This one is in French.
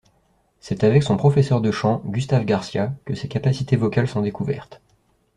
C'est avec son professeur de chant, Gustave Garcia, que ses capacités vocales sont découvertes.